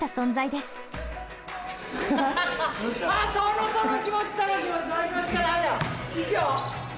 いくよ！